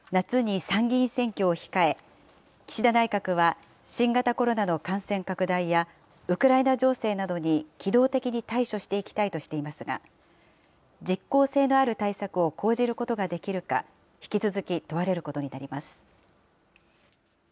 夏に参議院選挙を控え、岸田内閣は、新型コロナの感染拡大や、ウクライナ情勢などに機動的に対処していきたいとしていますが、実効性のある対策を講じることができるか、引き続き問われることになります。